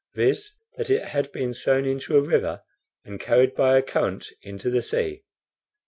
viz., that it had been thrown into a river and carried by a current into the sea.